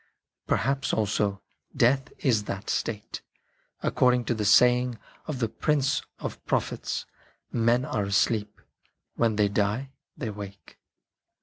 Perhaps also Death is that state, according to that saying of the Prince of pro phets :" Men are asleep ; when they die, they wake."